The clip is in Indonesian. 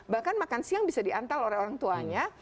bahkan makan siang bisa diantal oleh orang tuanya